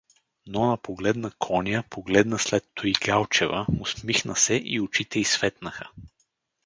Нона погледна коня, погледна след туй Галчева, усмихна се и очите й светнаха.